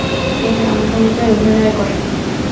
তিনি নাম ভূমিকায় অভিনয় করেন।